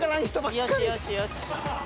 よしよしよし。